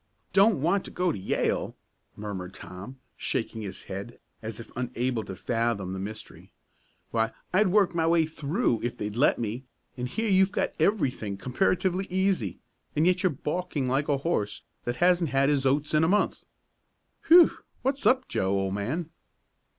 "Don't want to go to Yale!" murmured Tom, shaking his head as if unable to fathom the mystery. "Why I'd work my way through, if they'd let me, and here you've got everything comparatively easy, and yet you're balking like a horse that hasn't had his oats in a month. Whew! What's up, Joe, old man?"